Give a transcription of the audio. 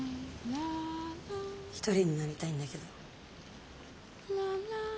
一人になりたいんだけど。